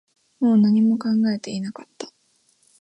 もう何も考えていなかった